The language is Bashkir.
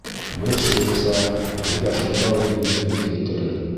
Был шыйыҡса һеҙгә шунда уҡ еңеллек килтерер